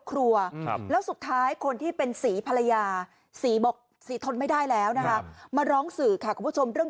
ครัวแล้วสุดท้ายคนที่เป็นศรีภรรยาศรีบอกศรีทนไม่ได้แล้วนะคะมาร้องสื่อค่ะคุณผู้ชมเรื่อง